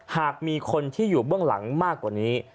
หากมีคนที่อยู่เบื้องหลังมากกว่านี้